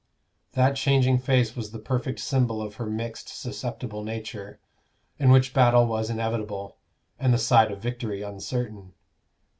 That changing face was the perfect symbol of her mixed susceptible nature, in which battle was inevitable, and the side of victory uncertain.